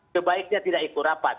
sebaiknya tidak ikut rapat